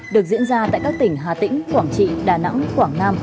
được diễn ra tại các tỉnh hà tĩnh quảng trị đà nẵng quảng nam